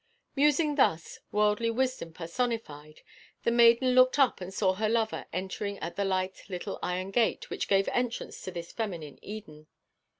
Musing thus, wordly wisdom personified, the maiden looked up and saw her lover entering at the light little iron gate which gave entrance to this feminine Eden.